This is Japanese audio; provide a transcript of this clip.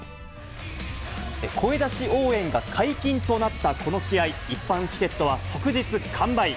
声出し応援が解禁となったこの試合、一般チケットは即日完売。